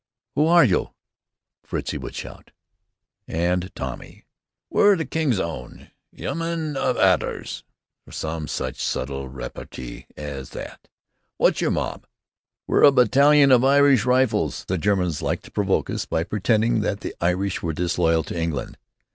"Who are you?" Fritzie would shout. And Tommy, "We're the King's Own 'Ymn of 'Aters"; some such subtle repartee as that. "Wot's your mob?" "We're a battalion of Irish rifles." The Germans liked to provoke us by pretending that the Irish were disloyal to England.